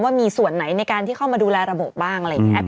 ว่ามีส่วนไหนในการที่เข้ามาดูแลระบบบ้างอะไรอย่างนี้